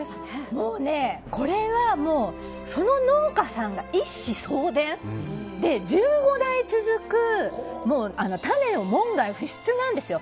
もう、これはその農家さんが一子相伝で１５代続く種が門外不出なんですよ。